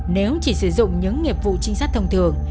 nếu chỉ sử dụng những nghiệp vụ trinh sát thông thường